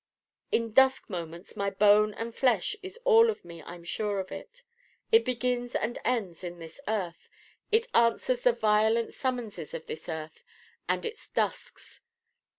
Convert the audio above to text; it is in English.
In dusk moments my bone and flesh is all of me I'm sure of. It begins and ends in this earth. It answers the violent summonses of this earth and its dusks.